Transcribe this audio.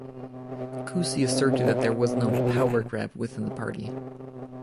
Cusi asserted that there was no "power grab" within the party.